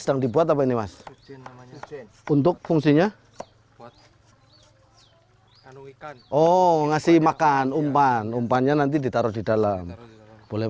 sedang dibuat apa ini mas untuk fungsinya buat ikan oh ngasih makan umpan umpannya nanti ditaruh di dalam boleh